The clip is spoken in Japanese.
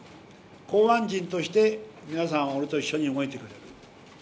港湾人として皆さん俺と一緒に動いてくれる。